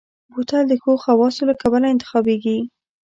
بوتل د ښو خواصو له کبله انتخابېږي.